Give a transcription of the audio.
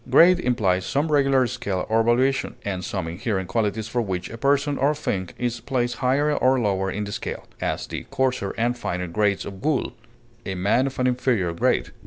Grade implies some regular scale of valuation, and some inherent qualities for which a person or thing is placed higher or lower in the scale; as, the coarser and finer grades of wool; a man of an inferior grade.